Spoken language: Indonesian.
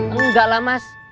enggak lah mas